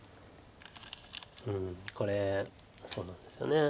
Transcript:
うんこれそうなんですよね。